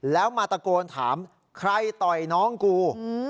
แล้วมาตะโกนถามใครต่อยน้องกู